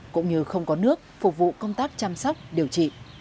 cũng như không có nước phục vụ công tác chăm sóc điều trị